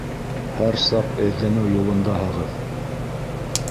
Һәр саҡ эҙләнеү юлындаһығыҙ.